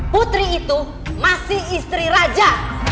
putri itu masih istri raja